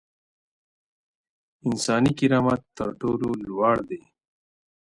انساني کرامت تر ټولو لوړ دی.